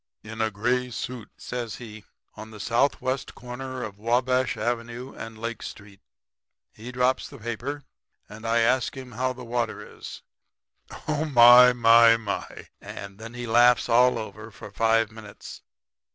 "'In a gray suit,' says he, 'on the southwest corner of Wabash avenue and Lake street. He drops the paper, and I ask how the water is. Oh, my, my, my!' And then he laughs all over for five minutes.